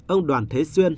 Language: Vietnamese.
ông đoàn thế sĩ